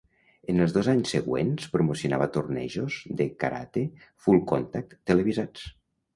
En els dos anys següents, promocionava tornejos de karate "full-contact" televisats.